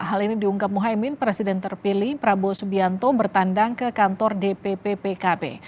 hal ini diungkap muhaymin presiden terpilih prabowo subianto bertandang ke kantor dpp pkb